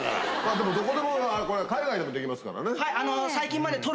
でもどこでもこれ海外でもできますからね。